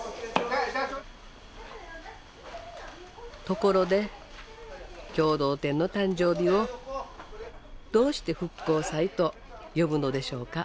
ところで共同店の誕生日をどうして「復興祭」と呼ぶのでしょうか。